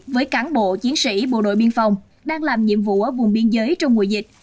với cán bộ chiến sĩ bộ đội biên phòng đang làm nhiệm vụ ở vùng biên giới trong mùa dịch